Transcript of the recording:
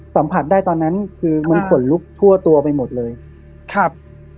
สัมผัสได้ตอนนั้นคือมันขนลุกทั่วตัวไปหมดเลยครับ